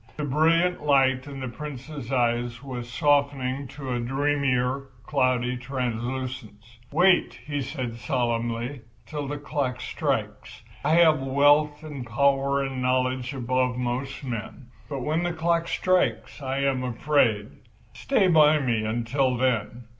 The brilliant light in the Prince's eyes was softening to a dreamier, cloudy translucence. "Wait," he said solemnly, "till the clock strikes. I have wealth and power and knowledge above most men, but when the clock strikes I am afraid. Stay by me until then.